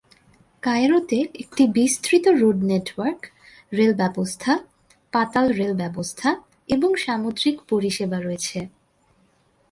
কায়রোতে একটি বিস্তৃত road network, rail ব্যবস্থা, পাতাল রেল ব্যবস্থা এবং সামুদ্রিক পরিষেবা রয়েছে।